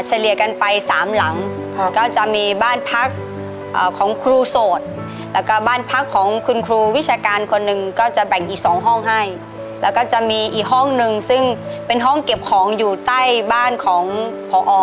เลี่ยกันไปสามหลังก็จะมีบ้านพักของครูโสดแล้วก็บ้านพักของคุณครูวิชาการคนหนึ่งก็จะแบ่งอีกสองห้องให้แล้วก็จะมีอีกห้องนึงซึ่งเป็นห้องเก็บของอยู่ใต้บ้านของพอ